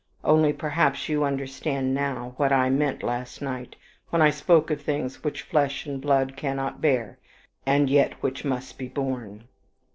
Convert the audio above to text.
Only perhaps you understand now what I meant last night when I spoke of things which flesh and blood cannot bear, and yet which must be borne."